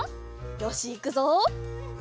よしいくぞ！